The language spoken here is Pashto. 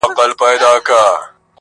شېدې او وریژې خوږ خواړه دي.